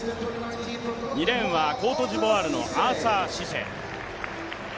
２レーンはコートジボワールのアーサー・シセ。